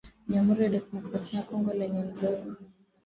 Jamhuri ya kidemokrasia ya Kongo lenye mzozo